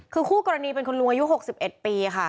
คือคู่กรณีเป็นคุณลุงอายุ๖๑ปีค่ะ